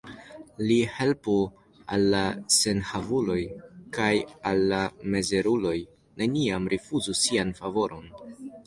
Li helpu al la senhavuloj, kaj al la mizeruloj neniam rifuzu sian favoron.